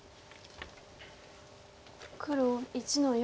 黒１の四。